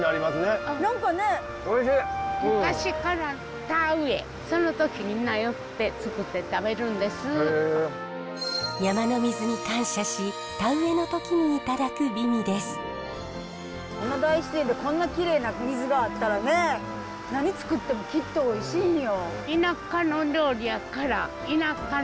こんな大自然でこんなきれいな水があったらね何作ってもきっとおいしいんよ。